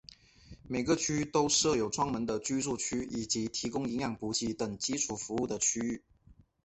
每个区都设有专门的居住区以及提供营养补给等基础服务的区域。